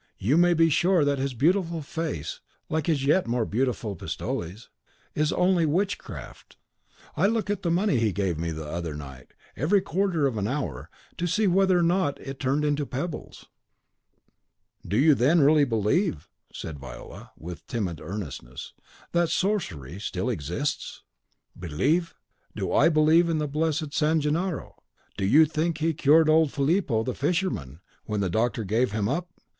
You may be sure that his beautiful face, like his yet more beautiful pistoles, is only witchcraft. I look at the money he gave me the other night, every quarter of an hour, to see whether it has not turned into pebbles." "Do you then really believe," said Viola, with timid earnestness, "that sorcery still exists?" "Believe! Do I believe in the blessed San Gennaro? How do you think he cured old Filippo the fisherman, when the doctor gave him up?